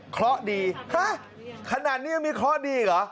เคราะห์ดีฮะขนาดนี้มีเคราะห์ดีเหรอ